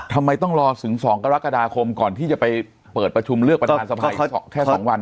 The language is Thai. ทำไมต้องรอถึง๒กรกฎาคมก่อนที่จะไปเปิดประชุมเลือกประธานสภาอีกแค่๒วัน